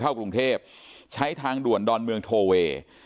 เข้ากรุงเทพใช้ทางด่วนดอนเมืองโทเวย์